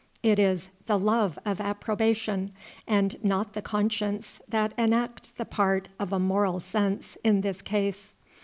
It is the love of approbation and not the conscience that enacts the part of a moral sense in this case.